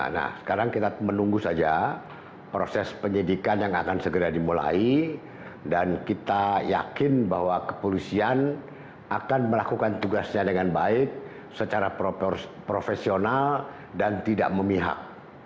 nah sekarang kita menunggu saja proses penyidikan yang akan segera dimulai dan kita yakin bahwa kepolisian akan melakukan tugasnya dengan baik secara profesional dan tidak memihak